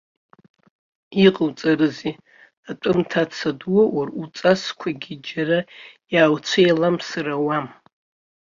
Иҟоуҵарызеи, атәым ҭаца дуоур уҵасқәагьы џьара иаауцәеиламсыр ауам.